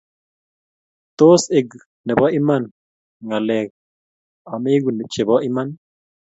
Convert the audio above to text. tos ek nebo iman ng'alek amaegu chebo iman